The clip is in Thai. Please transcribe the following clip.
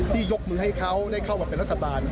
ยกมือให้เขาได้เข้ามาเป็นรัฐบาล